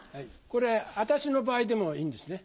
これ私の場合でもいいんですね？